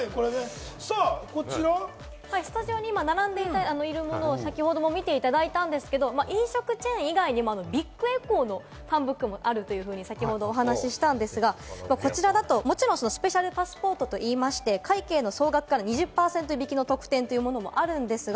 スタジオに今、並んでいるものを先ほど見ていただいたんですけれども、飲食チェーン以外にもビッグエコーのファンブックもあるというふうに先ほどお話したんですが、こちらだと、もちろんスペシャルパスポートといいまして、会計の総額から２０％引きの特典もあるんですが、